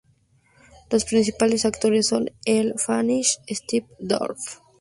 Los principales actores son: Elle Fanning y Stephen Dorff.